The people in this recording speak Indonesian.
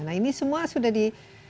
nah ini semua sudah di